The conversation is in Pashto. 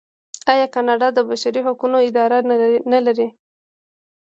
آیا کاناډا د بشري حقونو اداره نلري؟